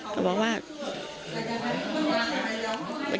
ค่ะพ่อบอกว่า